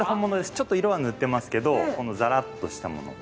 ちょっと色は塗ってますけどこのザラッとしたもの。